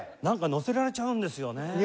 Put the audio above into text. なんかのせられちゃうんですよね。